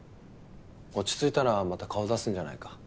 落ち着いたらまた顔出すんじゃないか。